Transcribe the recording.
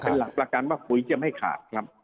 เป็นหลักประกันว่าปุ๋ยจะไม่ขาดครับ